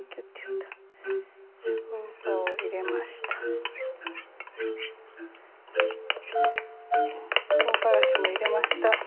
とうがらしも入れました。